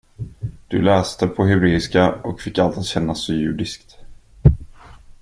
Du läste på hebreiska och fick allt att kännas så judiskt.